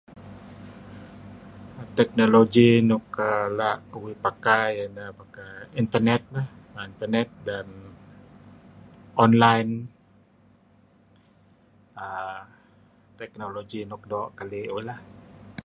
Technology nuk [um]lah uih[aah]pakai nah[aah]pakai internet lah...internat dan online[um]technology nuk doq kalih uih lah.